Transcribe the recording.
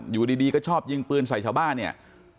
อยู่ดีก็ชอบยิงปืนใส่ชาวบ้านเนี่ย